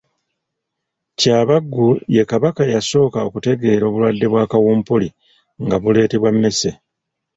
Kyabaggu ye Kabaka eyasooka okutegeera obulwadde bwa kawumpuli nga buleetebwa mmese.